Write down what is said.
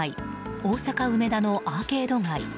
大阪・梅田のアーケード街。